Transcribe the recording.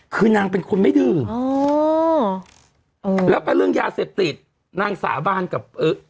คือนางเป็นคนไม่ดื่มอ๋อแล้วก็เรื่องยาเสพติดนางสาบานกับเออ